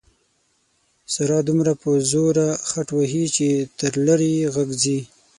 ساره دومره په زوره خټ وهي چې تر لرې یې غږ ځي.